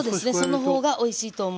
そのほうがおいしいと思う。